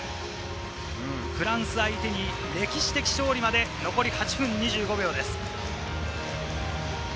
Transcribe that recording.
フランス相手に歴史的勝利まで残り８分２５秒です。